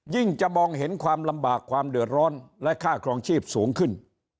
จะมองเห็นความลำบากความเดือดร้อนและค่าครองชีพสูงขึ้น